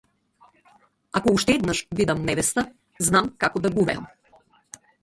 Ако уште еднаш бидам невеста, знам како да гувеам.